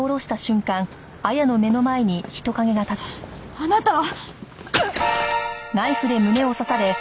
あなたは！？